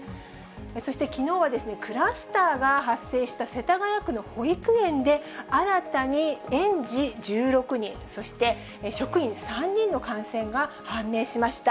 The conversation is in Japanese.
そしてきのうはクラスターが発生した世田谷区の保育園で、新たに園児１６人、そして職員３人の感染が判明しました。